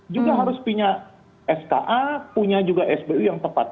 juga harus punya ska punya juga sbu yang tepat